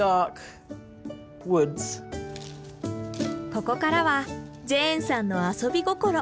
ここからはジェーンさんの遊び心。